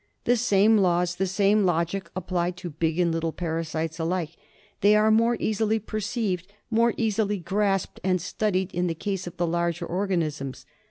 The same laws, the same logic apply to big and little parasites alike; they are more easily perceived, more readily grasped and studied in the case of the larger organisms.